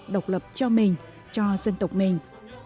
độc lập cho mình cho dân tộc mình